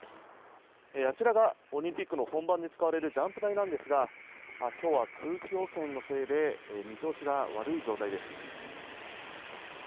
あちらがオリンピックの本番で使われるジャンプ台なんですが、きょうは空気汚染のせいで見通しが悪い状態です。